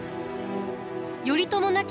頼朝亡き